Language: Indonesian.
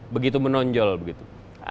begitu menonjol begitu